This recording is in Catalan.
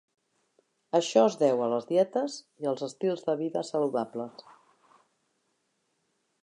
Això es deu a les dietes i als estils de vida saludables.